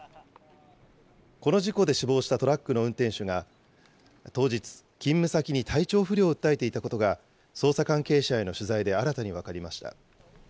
この事故で死亡したトラックの運転手が当日、勤務先に体調不良を訴えていたことが、捜査関係者への取材で新たに分かりました。